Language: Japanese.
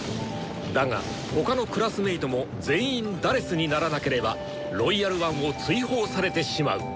だが他のクラスメートも全員「４」にならなければ「ロイヤル・ワン」を追放されてしまう！